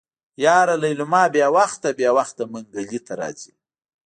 يره ليلما بې وخته بې وخته منګلي ته راځي.